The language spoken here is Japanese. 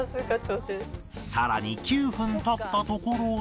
さらに９分経ったところで